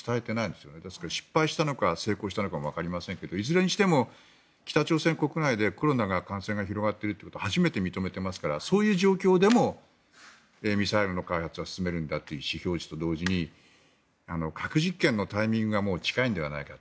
ですから、失敗したのか成功したのかわかりませんけどいずれにしても北朝鮮国内でコロナの感染が広がっているということを初めて認めていますからそういう状況でもミサイルの開発は進めるんだという意思表示と同時に核実験のタイミングがもう近いのではないか。